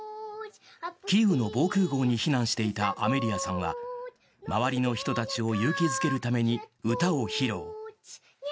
キーウの防空壕に避難していたアメリアさんは周りの人たちを勇気づけるために歌を披露。